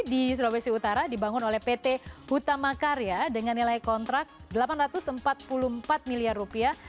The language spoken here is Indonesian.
di sulawesi utara dibangun oleh pt hutama karya dengan nilai kontrak delapan ratus empat puluh empat miliar rupiah